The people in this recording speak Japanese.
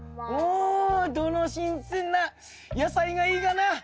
おどの新鮮な野菜がいいかな？